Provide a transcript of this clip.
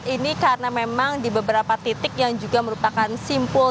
ini karena memang di beberapa titik yang juga merupakan simpul